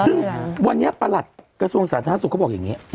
ซึ่งวันนี้ประหลัดกระทรวงสาธารณสุขเขาบอกอย่างนี้